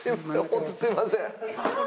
ホントすいません。